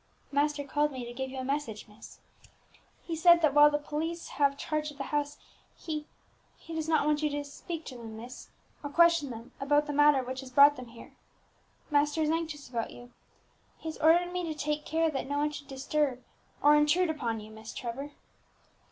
"Master called me to give you a message, miss. He says that while the police have charge of the house, he he does not wish you to speak to them, miss, or question them about the matter which has brought them here. Master is anxious about you. He has ordered me to take care that no one should disturb or intrude upon you, Miss Trevor."